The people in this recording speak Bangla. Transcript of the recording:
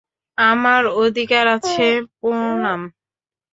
আমার অধিকার আছে, পুনাম।